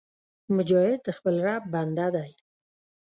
مجاهد د خپل رب بنده دی